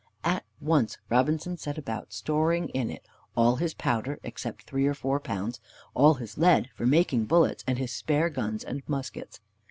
At once Robinson set about storing in it all his powder, except three or four pounds, all his lead for making bullets, and his spare guns and muskets.